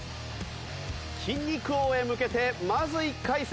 筋肉王へ向けてまず１回戦。